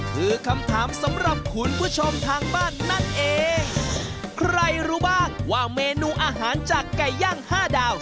คือคำถามสำหรับคุณผู้ชมทางบ้านนั่นเองใครรู้บ้างว่าเมนูอาหารจากไก่ย่างห้าดาว